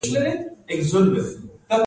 د پښتنو په کلتور کې د ځمکې ساتل ننګ دی.